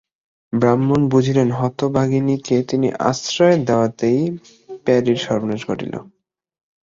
ব্রাহ্মণ বুঝিলেন, হতভাগিনীকে তিনি আশ্রয় দেওয়াতেই প্যারীর সর্বনাশ ঘটিল।